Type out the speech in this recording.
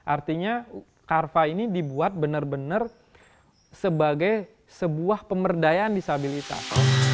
artinya carva ini dibuat benar benar sebagai sebuah pemberdayaan disabilitas